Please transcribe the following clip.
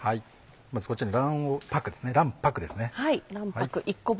まずこっちに卵白です。